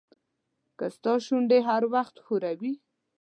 که ستا شونډې هر وخت ښوري.